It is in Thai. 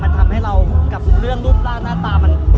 มันทำให้เรากับเรื่องรูปร่างหน้าตามัน